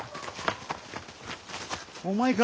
お前か。